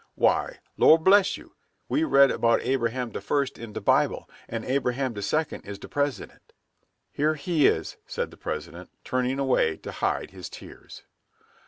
"Why, Lor' bless you, we read about Abraham de First in de Bible, and Abraham de Second is de President." "Here he is!" said the President, turning away to hide his tears.